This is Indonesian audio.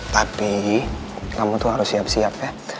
tapi kamu tuh harus siap siap ya